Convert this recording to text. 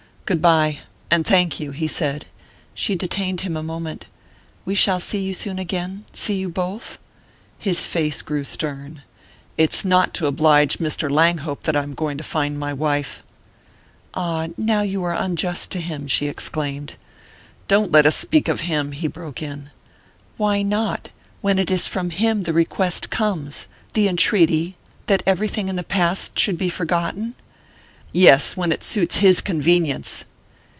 "Good bye and thank you," he said. She detained him a moment. "We shall see you soon again see you both?" His face grew stern. "It's not to oblige Mr. Langhope that I am going to find my wife." "Ah, now you are unjust to him!" she exclaimed. "Don't let us speak of him!" he broke in. "Why not? When it is from him the request comes the entreaty that everything in the past should be forgotten?" "Yes when it suits his convenience!"